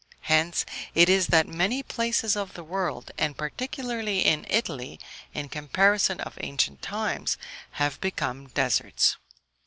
Hence it is that many places of the world, and particularly in Italy, in comparison of ancient times, have become deserts.